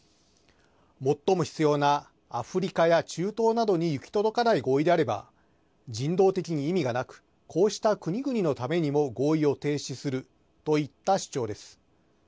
最も必要なアフリカや中東などに行き届かない合意であれば、人道的に意味がなく、こうした国々のためにも合意を停止するといった主張です。